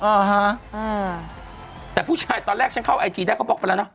อ่าฮะแต่ผู้ชายตอนแรกเข้าไอจีได้เขาบอกไปแล้วเนอะ